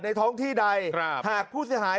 ท้องที่ใดหากผู้เสียหาย